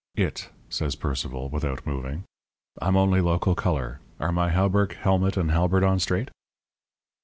"'It,' says Sir Percival, without moving. 'I'm only local colour. Are my hauberk, helmet, and halberd on straight?'